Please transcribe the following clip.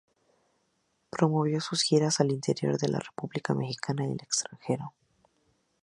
Promovió sus giras al interior de la república mexicana y el extranjero.